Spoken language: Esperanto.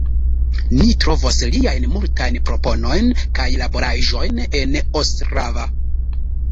Ni trovos liajn multajn proponojn kaj laboraĵojn en Ostrava.